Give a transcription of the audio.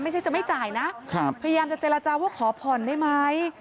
จะไม่จ่ายนะพยายามจะเจรจาว่าขอผ่อนได้ไหม